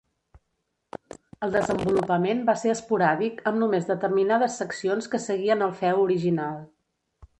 El desenvolupament va ser esporàdic amb només determinades seccions que seguien el feu original.